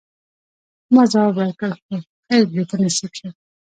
ما ځواب ورکړ: هو، خیر دي په نصیب شه.